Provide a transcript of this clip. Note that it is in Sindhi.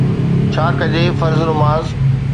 ڇا ڪجي فرض نماز